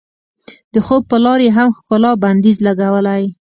د خوب په لار یې هم ښکلا بندیز لګولی.